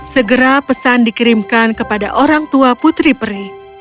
segera pesan dikirimkan kepada orang tua putri peri